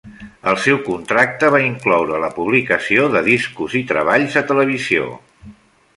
El seu contracte va incloure la publicació de discos i treballs a televisió.